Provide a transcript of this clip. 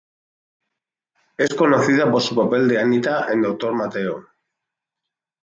Es conocida por su papel de Anita en Doctor Mateo.